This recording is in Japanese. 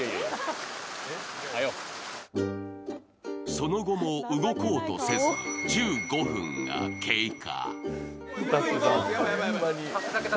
その後も動こうとせず１５分が経過。